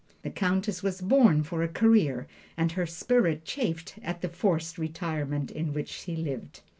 The Countess was born for a career and her spirit chafed at the forced retirement in which she lived.